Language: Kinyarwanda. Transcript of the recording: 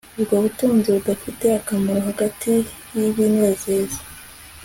ubwo butunzi budafite akamaro hagati y'ibinezeza